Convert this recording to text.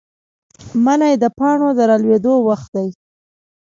منی د پاڼو د رالوېدو وخت دی.